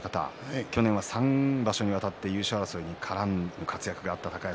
去年は３場所にわたって優勝争いに絡む活躍だった高安。